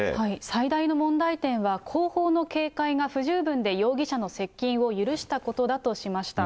最大の問題点は後方の警戒が不十分で、容疑者の接近を許したことだとしました。